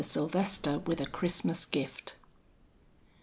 SYLVESTER WITH A CHRISTMAS GIFT.